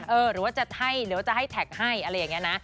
เออหรือว่าจะให้หรือว่าจะให้แท็กให้อะไรอย่างนี้นะ